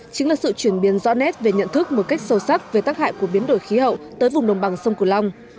chính là sự chuyển biến rõ nét về nhận thức một cách sâu sắc về tác hại của biến đổi khí hậu tới vùng đồng bằng sông cửu long